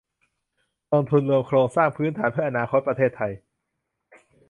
กองทุนรวมโครงสร้างพื้นฐานเพื่ออนาคตประเทศไทย